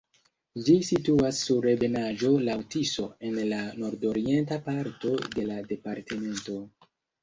Ĝi situas sur ebenaĵo laŭ Tiso en la nordorienta parto de la departemento.